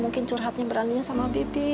mungkin curhatnya berani sama bibi